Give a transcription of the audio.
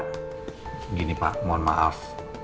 begini pak mohon maaf